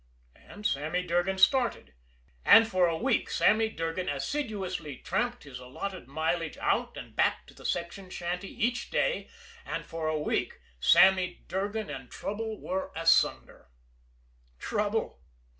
And Sammy Durgan started. And for a week Sammy Durgan assiduously tramped his allotted mileage out and back to the section shanty each day and for a week Sammy Durgan and trouble were asunder. Trouble?